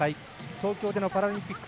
東京でのパラリンピック